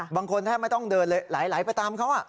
บางคนแทบไม่ต้องเดินเลยไหลไปตามเขา